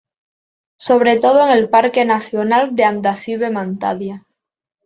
Sobre todo en el Parque Nacional de Andasibe-Mantadia.